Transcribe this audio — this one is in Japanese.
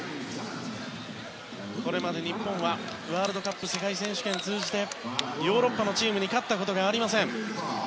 これまで日本はワールドカップ世界選手権通じてヨーロッパのチームに勝ったことがありません。